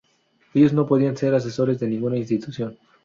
Ellos no podrán ser asesores de ninguna institución.